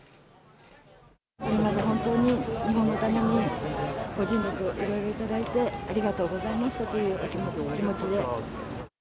今まで本当に、日本のためにご尽力、いろいろいただいて、ありがとうございましたという気持ちで。